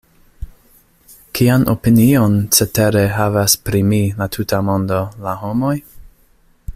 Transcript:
Kian opinion cetere havas pri mi la tuta mondo, la homoj?